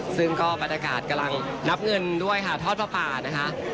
ซึ่งก็บรรยากาศกำลังนับเงินด้วยค่ะทอดผ้าป่านะคะ